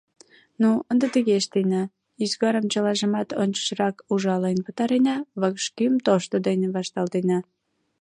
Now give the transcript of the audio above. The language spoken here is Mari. — Ну, ынде тыге ыштена: ӱзгарым чылажымат ончычрак ужален пытарена, вакшкӱм тошто дене вашталтена.